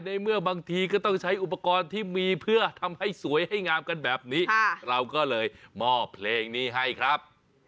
ในเมื่อบางทีก็ต้องใช้อุปกรณ์ที่มีเพื่อทำให้สวยให้งามกันแบบนี้เราก็เลยมอบเพลงนี้ให้ครับ